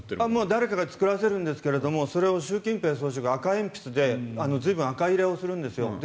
誰かが作らせるんですがそれを習近平総書記が赤鉛筆で随分赤入れをするんですよ。